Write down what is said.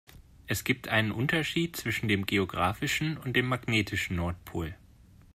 Es gibt einen Unterschied zwischen dem geografischen und dem magnetischen Nordpol.